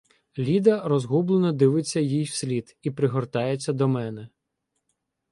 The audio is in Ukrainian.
Ліда розгублено дивиться їй вслід і пригортається до мене: